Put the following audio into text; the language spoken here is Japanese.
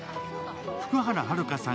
福原遥さん